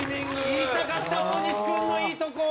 言いたかった大西君のいいとこ。